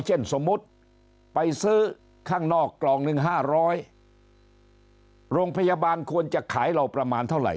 เช่นสมมุติไปซื้อข้างนอกกล่องหนึ่ง๕๐๐โรงพยาบาลควรจะขายเราประมาณเท่าไหร